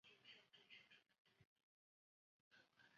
齿苞风毛菊为菊科风毛菊属的植物。